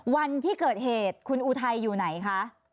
วันที่เกิดเหตุคุณอุทัยอยู่ไหนคะ